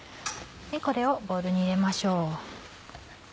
これをボウルに入れましょう。